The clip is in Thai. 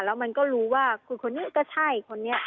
แล้วมันก็รู้ว่าคุณคนนี้ก็ใช่คนนี้